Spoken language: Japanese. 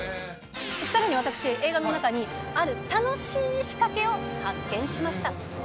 さらに私、映画の中に、ある楽しいしかけを発見しました。